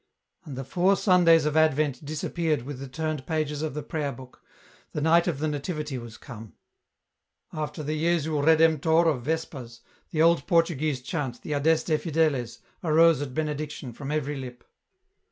And the four Sundays of Advent disappeared with the turned pages of the prayer book ; the night of the Nativity was come. After the " Jesu Redemptor " of Vespers, the old Portuguese chant, the " Adeste Fideles," arose at Bene diction from every lip.